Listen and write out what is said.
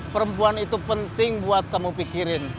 perempuan itu penting buat kamu pikirin